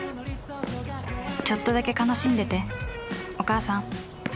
ちょっとだけ悲しんでてお母さん